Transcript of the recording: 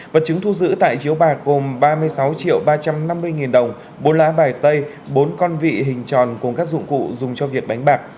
vật chứng thu giữ tại chiếu bạc gồm ba mươi sáu triệu ba trăm năm mươi nghìn đồng bốn lá bài tay bốn con vị hình tròn cùng các dụng cụ dùng cho việc đánh bạc